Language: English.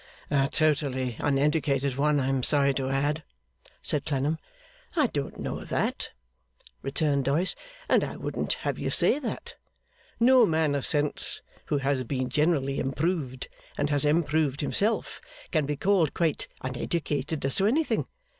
'A totally uneducated one, I am sorry to add,' said Clennam. 'I don't know that,' returned Doyce, 'and I wouldn't have you say that. No man of sense who has been generally improved, and has improved himself, can be called quite uneducated as to anything.